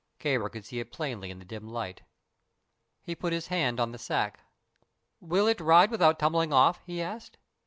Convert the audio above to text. Kāra could see it plainly in the dim light. He put his hand on the sack. "Will it ride without tumbling off?" he asked.